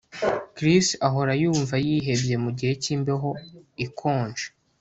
Chris ahora yumva yihebye mugihe cyimbeho ikonje